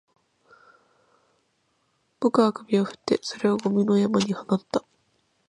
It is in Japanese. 僕は首を振って、それをゴミの山に放った